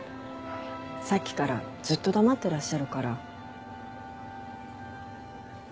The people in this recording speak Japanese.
さっきからずっと黙ってらっしゃるから。